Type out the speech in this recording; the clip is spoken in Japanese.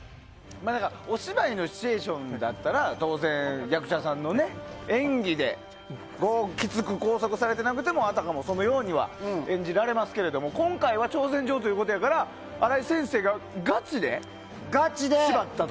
お芝居のシチュエーションだったら当然、役者さんの演技できつく拘束されていなくてもあたかもそのようには演じられますけど今回は挑戦状ということだから荒井先生が、ガチで縛った時？